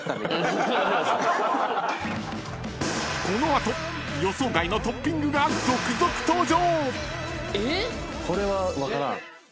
［この後予想外のトッピングが続々登場！］